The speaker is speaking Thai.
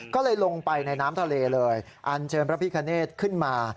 ก็เลยลงไปในน้ำทะเลเลยอันเชิญพระพิคเนธขึ้นมา